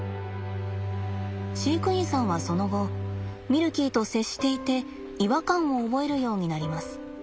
飼育員さんはその後ミルキーと接していて違和感を覚えるようになります。